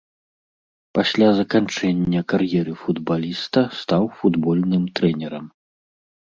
Пасля заканчэння кар'еры футбаліста стаў футбольным трэнерам.